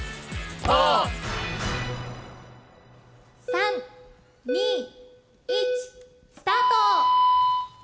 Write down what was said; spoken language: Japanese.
オ！３２１スタート！